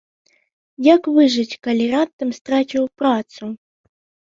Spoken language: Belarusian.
Як выжыць, калі раптам страціў працу?